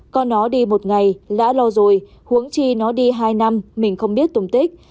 con nó đi một ngày đã lo rồi huống chi nó đi hai năm mình không biết tùng tích